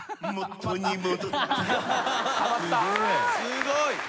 すごい。